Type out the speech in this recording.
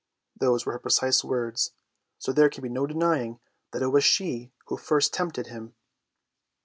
Those were her precise words, so there can be no denying that it was she who first tempted him.